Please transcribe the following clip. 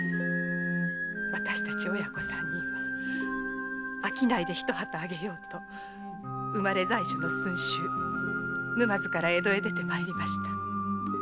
私たち親子三人は商いで一旗あげようと生まれ在所の駿州沼津から江戸へ出てまいりました。